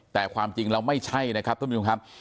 แต่ความจริงแล้วไม่ใช่นะครับท่านผู้ชมครับ